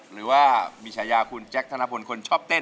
หรือว่ามีฉายาคุณแจ๊คธนพลคนชอบเต้น